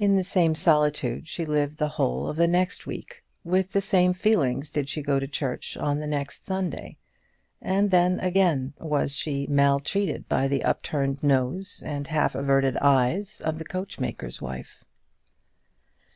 In the same solitude she lived the whole of the next week; with the same feelings did she go to church on the next Sunday; and then again was she maltreated by the upturned nose and half averted eyes of the coachmaker's wife.